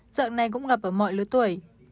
dạng này cũng gặp ở mọi lưỡi